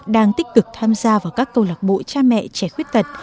đang tích cực tham gia vào các câu lạc bộ cha mẹ trẻ khuyết tật